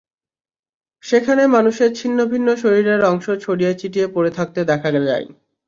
সেখানে মানুষের ছিন্নভিন্ন শরীরের অংশ ছড়িয়ে ছিটিয়ে পড়ে থাকতে দেখা যায়।